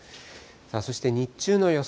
そして日中の予想